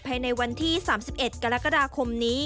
ภายในวันที่๓๑กรกฎาคมนี้